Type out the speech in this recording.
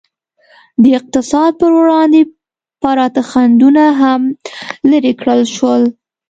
د اقتصاد پر وړاندې پراته خنډونه هم لرې کړل شول.